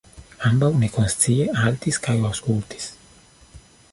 Ambaŭ nekonscie haltis kaj aŭskultis.